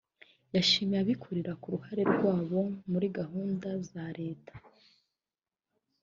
yashimiye abikorera ku ruhare rwabo muri gahunda za leta